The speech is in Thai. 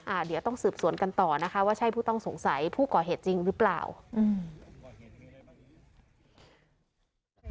อ่าเดี๋ยวต้องสืบสวนกันต่อนะคะว่าใช่ผู้ต้องสงสัยผู้ก่อเหตุจริงหรือเปล่าอืม